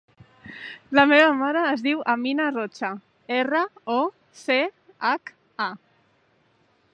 La meva mare es diu Amina Rocha: erra, o, ce, hac, a.